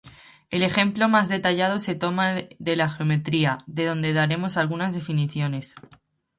El ejemplo más detallado se toma de la geometría, de donde daremos algunas definiciones.